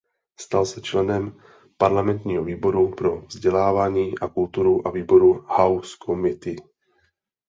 Stal se členem parlamentního výboru pro vzdělávání a kulturu a výboru House Committee.